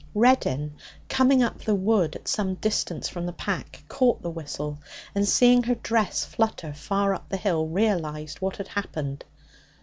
Reddin, coming up the wood at some distance from the pack, caught the whistle, and seeing her dress flutter far up the hill, realized what had happened.